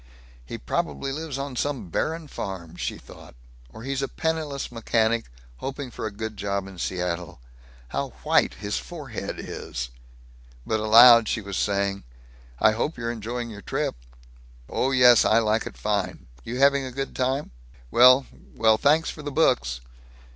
"He probably lives on some barren farm," she thought, "or he's a penniless mechanic hoping for a good job in Seattle. How white his forehead is!" But aloud she was saying, "I hope you're enjoying your trip." "Oh yes. I like it fine. You having a good time? Well Well, thanks for the books."